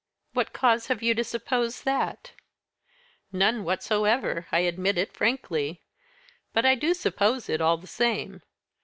"What cause have you to suppose that?" "None whatever, I admit it frankly; but I do suppose it all the same.